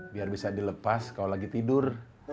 biar bisa dilepas kalau lagi tidur